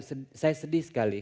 tapi saya sedih sekali